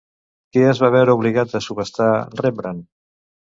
Què es va veure obligat a subhastar Rembrandt?